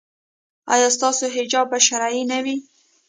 ایا ستاسو حجاب به شرعي نه وي؟